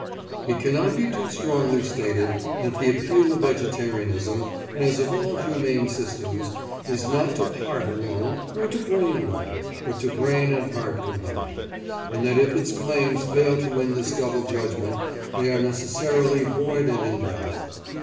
It cannot be too strongly stated that the appeal of vegetarianism, as of all humane systems, is not to heart alone, nor to brain alone, but to brain and heart combined, and that if its claims fail to win this double judgment they are necessarily void and invalid.